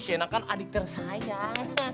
shaina kan adik tersayang